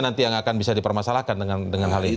nanti yang akan bisa dipermasalahkan dengan hal ini